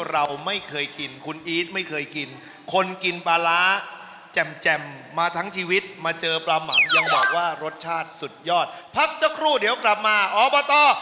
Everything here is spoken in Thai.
เราจะนิยมทานกับผักดิบครับ